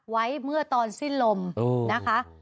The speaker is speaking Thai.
ไว้เมื่อตอนสิ้นลมนะคะ